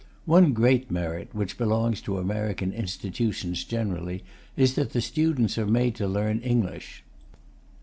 One great merit, which belongs to American institutions generally, is that the students are made to learn English.